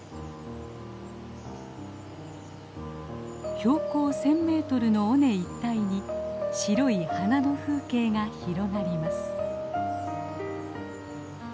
標高１，０００メートルの尾根一帯に白い花の風景が広がります。